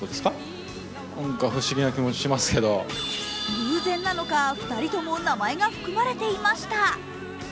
偶然なのか、２人とも名前が含まれていました。